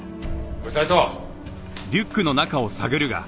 おい斎藤。